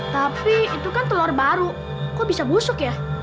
tapi itu kan telur baru kok bisa busuk ya